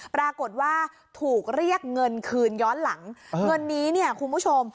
ปรากฏว่าถูกเรียกเงินคืนย้อนหลังเงินนี้เนี่ยคุณผู้ชม